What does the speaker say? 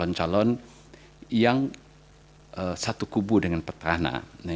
ini sendiri anggap masuk sangfaan pendidikan kami